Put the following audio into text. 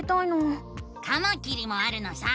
カマキリもあるのさ！